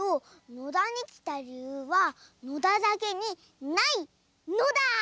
野田にきたりゆうは野田だけにないのだ！